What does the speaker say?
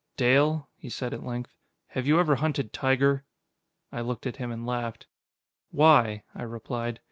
"Dale," he said at length, "have you ever hunted tiger?" I looked at him and laughed. "Why?" I replied.